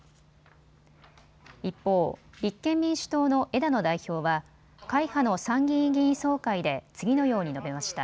一方、立憲民主党の枝野代表は会派の参議院議員総会で次のように述べました。